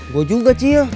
gua juga cil